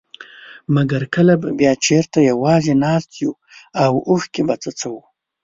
مګر کله به بيا چېرته يوازي ناست يو او اوښکي به څڅوو.